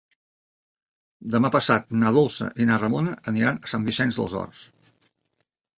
Demà passat na Dolça i na Ramona aniran a Sant Vicenç dels Horts.